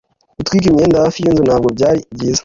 gutwika imyanda hafi yinzu ntabwo byari byiza